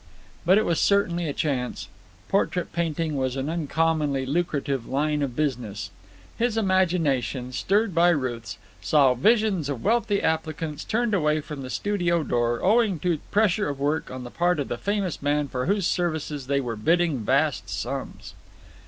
But it was certainly a chance. Portrait painting was an uncommonly lucrative line of business. His imagination, stirred by Ruth's, saw visions of wealthy applicants turned away from the studio door owing to pressure of work on the part of the famous man for whose services they were bidding vast sums.